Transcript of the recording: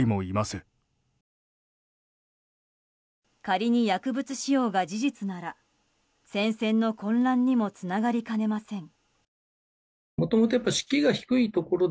仮に薬物使用が事実なら戦線の混乱にもつながりかねません。